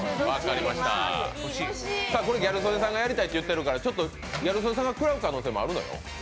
これ、ギャル曽根さんがやりたいって言ってるからギャル曽根さんが食らう可能性もあるのよ？